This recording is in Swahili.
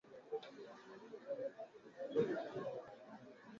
mavuno kutegemeana pia na hali ya hewa kipindi cha kilimo